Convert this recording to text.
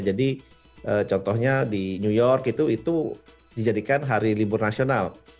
jadi contohnya di new york itu dijadikan hari libur nasional